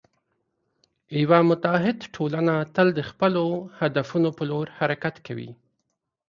یوه متعهد ټولنه تل د خپلو هدفونو په لور حرکت کوي.